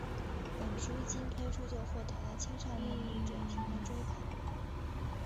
本书一经推出就获得了青少年读者群的追捧。